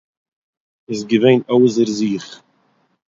איז געווען אויסער זיך.